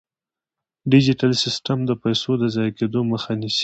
ډیجیټل سیستم د پيسو د ضایع کیدو مخه نیسي.